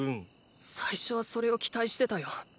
最初はそれを期待してたよ。